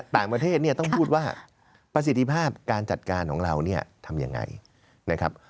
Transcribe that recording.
ต่างประเทศเนี่ยต้องพูดว่าประสิทธิภาพการจัดการของเราเนี่ยทำยังไงนะครับ